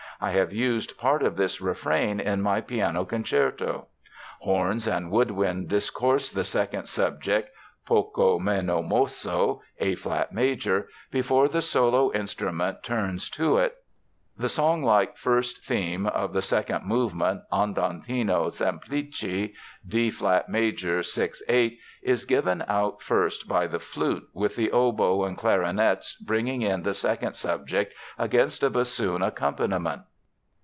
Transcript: I have used part of this refrain in my piano concerto." Horns and woodwind discourse the second subject (Poco meno mosso, A flat major) before the solo instrument turns to it. The song like first theme of the second movement (Andantino semplice, D flat major, 6 8) is given out first by the flute, with the oboe and clarinets bringing in the second subject against a bassoon accompaniment.